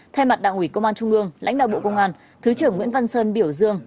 thay mặt đảng ủy công an trung ương lãnh đạo bộ công an thứ trưởng nguyễn văn sơn biểu dương